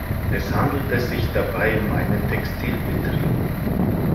Es handelte sich dabei um einen Textilbetrieb.